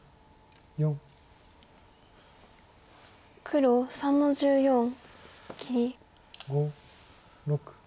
黒３の十四切り。